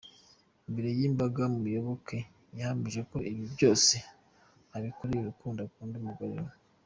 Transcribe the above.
Imbere y’imbaga Muyoboke yahamije ko ibi byose abikoreye urukundo akunda umugore we.